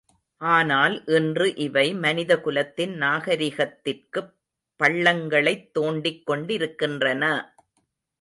ஆனால் இன்று இவை மனித குலத்தின் நாகரிகத்திற்குப் பள்ளங்களைத் தோண்டிக் கொண்டிருக்கின்றன!